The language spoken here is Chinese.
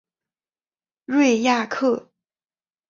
瑞亚克。